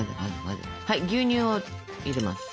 はい牛乳を入れます。